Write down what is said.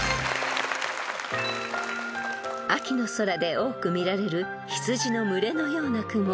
［秋の空で多く見られる羊の群れのような雲］